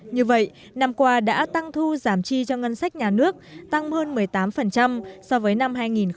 như vậy năm qua đã tăng thu giảm chi cho ngân sách nhà nước tăng hơn một mươi tám so với năm hai nghìn một mươi bảy